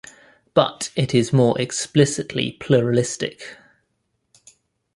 But it is more explicitly pluralistic.